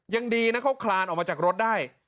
ยังดีนะเขาคลานออกมาจากรถได้